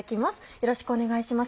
よろしくお願いします